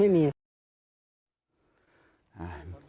เพื่อนบ้านเจ้าหน้าที่อำรวจกู้ภัย